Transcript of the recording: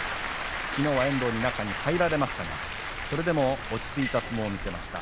きのうは遠藤に中に入られましたがそれでも落ち着いた相撲を見せました。